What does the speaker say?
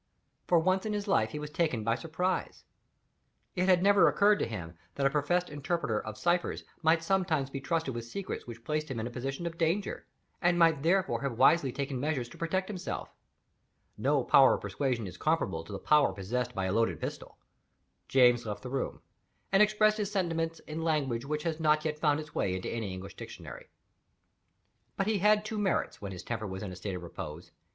For once in his life he was taken by surprise. It had never occurred to him that a professed interpreter of ciphers might sometimes be trusted with secrets which placed him in a position of danger, and might therefore have wisely taken measures to protect himself. No power of persuasion is comparable to the power possessed by a loaded pistol. James left the room; and expressed his sentiments in language which has not yet found its way into any English Dictionary. But he had two merits, when his temper was in a state of repose.